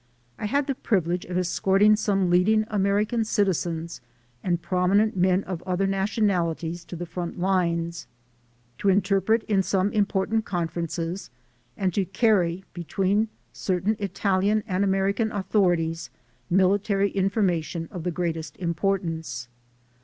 I had the privilege of es corting some leading American citizens and promi nent men of other nationalities to the front lines, to interpret in some important conferences, and to carry between certain Italian and American authori ties military information of the greatest importance.